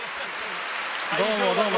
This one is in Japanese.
どうもどうも。